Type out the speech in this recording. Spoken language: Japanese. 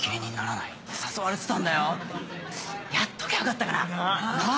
やっときゃよかったかな？なぁ！